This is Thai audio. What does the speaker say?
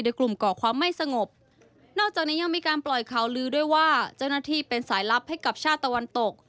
โดยกลุ่มก่อความไม่สงบนอกจากนี้ยังมีการปล่อยข่าวลือด้วยว่าเจ้าหน้าที่เป็นสายลับให้กับชาติตะวันตก